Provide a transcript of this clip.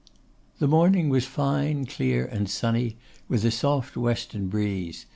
The morning was fine, clear, and sunny, with a soft western breeze.